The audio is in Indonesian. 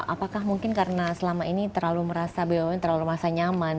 apakah mungkin karena selama ini terlalu merasa bumn terlalu merasa nyaman